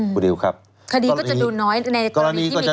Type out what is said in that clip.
คดีก็จะดูน้อยในกรณีที่มีการแจ้ง